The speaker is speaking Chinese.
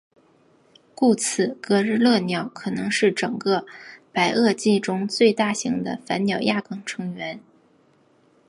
故此格日勒鸟可能是整个白垩纪中最大型的反鸟亚纲成员。